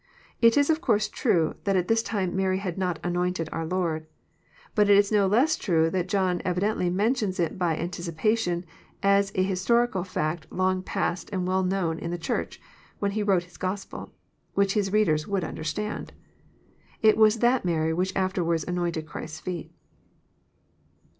It is of course trne that at this time Mary had not anointed our Lord. But it is no less true that John evi dently mentions It by anticipation, as an historical fact long past and well known in the Church when he wrote his Gospel, which his readers would understand. '' It was that Mary which after wards anointed Christ's feet."